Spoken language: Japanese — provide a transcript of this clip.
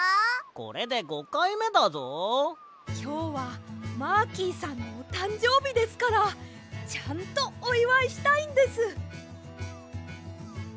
きょうはマーキーさんのおたんじょうびですからちゃんとおいわいしたいんです！